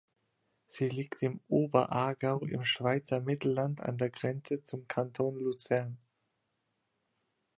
Sie liegt im Oberaargau im Schweizer Mittelland an der Grenze zum Kanton Luzern.